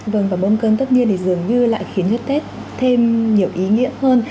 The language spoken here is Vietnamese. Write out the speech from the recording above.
vâng và mâm cơn tất nhiên thì dường như lại khiến cho tết thêm nhiều ý nghĩa hơn